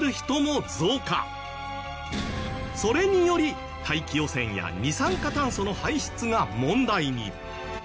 それにより大気汚染や二酸化炭素の排出が問題に。